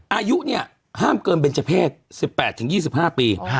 อายุเนี่ยห้ามเกินเบนเจอร์เพศ๑๘๒๕ปี